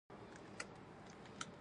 اوبه ډېرې یخې وې، د اوبو له پاسه.